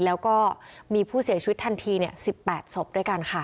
แล้วก็มีผู้เสียชีวิตทันที๑๘ศพด้วยกันค่ะ